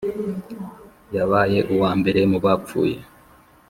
yabaye uwambere mu bapfuye